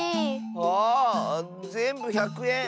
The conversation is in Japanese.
あぜんぶ１００えん。